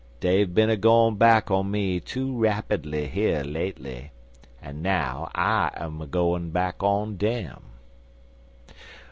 Dey've been a goin' back on me too rapidly here lately, an' now I'm a goin' back on dem."